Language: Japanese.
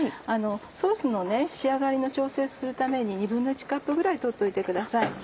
ソースの仕上がりの調整をするために１／２カップぐらいとっておいてください。